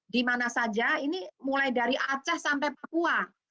di mana saja ini mulai dari aceh sampai papua